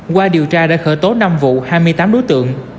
qua điều tra đã khởi tố năm vụ hai mươi tám đối tượng